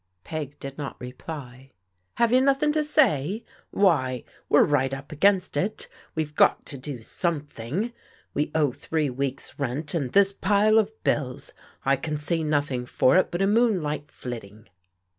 Peg did not reply. "Have you nothing to say? Why, we're right up against it. We've got to do something. We owe three weeks' rent, and this pile of bills. I can see nothing for it but a moonlight flitting."